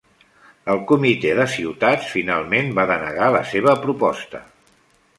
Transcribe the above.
El Comitè de Ciutats finalment va denegar la seva proposta.